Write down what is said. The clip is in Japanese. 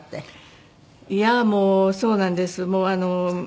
いやもうそうなんです。